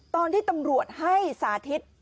ตอนที่ตำรวจให้สาธิต